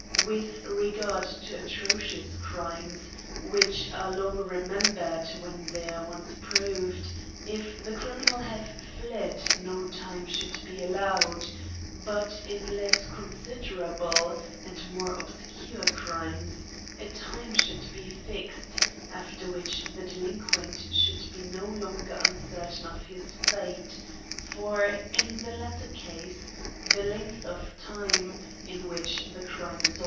With re gard to atrocious crimes, which are long remem bered, when they are once proved, if the criminal have fled, no time should be allowed ; but in less considerable and more obscure crimes, a time should be fixed, after which the delinquent should be no longer uncertain of his fate : for, in the lat ter case, the length of time, in which the crime is CRIMES AND PUNISHMENTS.